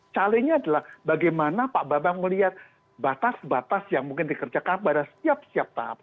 calegnya adalah bagaimana pak bambang melihat batas batas yang mungkin dikerjakan pada setiap setiap tahap